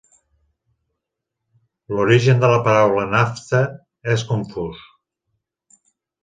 L'origen de la paraula Nafta és confús.